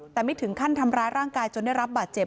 แต่ไม่ถึงขั้นทำร้ายร่างกายจนได้รับบาดเจ็บ